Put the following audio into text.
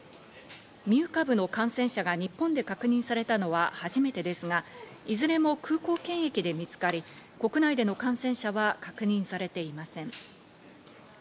ミュー株の感染者が日本で確認されたのは初めてですが、いずれも空港検疫で見つかり、国内での感染者は確認されていません。